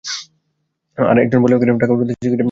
আর-একজন বললে, টাকা ওড়াতে শিখেছে, রাখতে শিখলে কাজে লাগত।